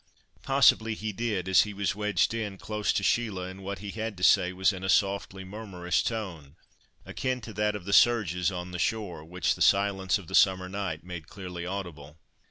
Possibly he did, as he was wedged in, close to Sheila, and what he had to say was in a softly, murmurous tone; akin to that of the surges on the shore, which the silence of the summer night made clearly audible.